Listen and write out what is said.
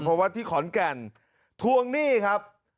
เพราะว่าที่ขอนแก่นทวงหนี้ครับ